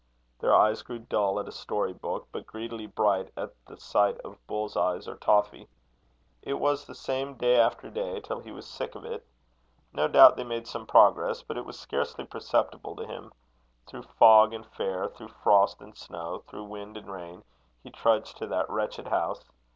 Their eyes grew dull at a story book, but greedily bright at the sight of bull's eyes or toffee. It was the same day after day, till he was sick of it. No doubt they made some progress, but it was scarcely perceptible to him. Through fog and fair, through frost and snow, through wind and rain, he trudged to that wretched house.